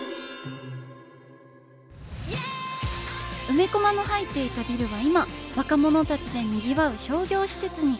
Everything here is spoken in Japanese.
梅コマの入っていたビルは今若者たちでにぎわう商業施設に。